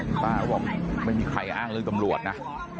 มาใหม่ไม่มีใครอ้างเรื่องตำรวจนะ